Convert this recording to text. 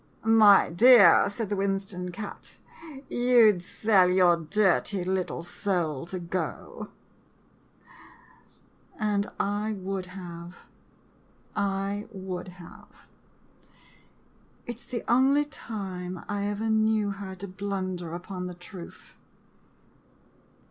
"My dear," said the Winston cat, " you 'd sell your dirty little soul to go !" And I would have — I would have. It 's the only time I ever knew her to blunder upon the truth.